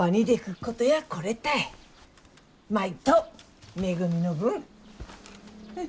舞とめぐみの分。